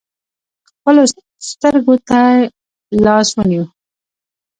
خپلو سترکو تې لاس ونیوئ .